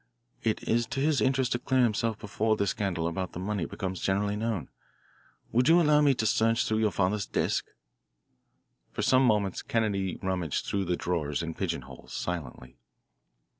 It is to his interest to clear himself before this scandal about the money becomes generally known. Would you allow me to search through your father's desk?" For some moments Kennedy rummaged through the drawers and pigeonholes, silently.